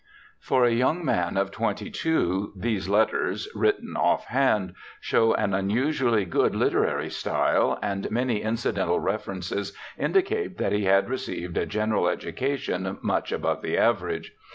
For a young man of twenty two, these letters — written off hand — show an unusually good literary style, and many incidental references indicate that he had received a general education much above the average.